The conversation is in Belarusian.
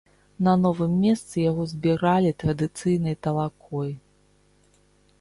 На новым месцы яго збіралі традыцыйнай талакой.